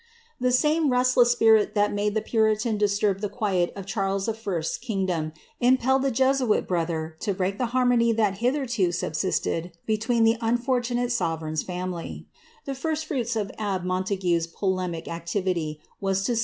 Tlie same restless spirit that made the puritan disturb the quiet of Churlcs L's kingdom, impelled the Jesuit brother to break the hannooy that had hitherto subsisted between the unfortunate sovereign's fiuniif* The first fruits of abbe Montague's polemic activity was to suggest to * Evelyn's Works.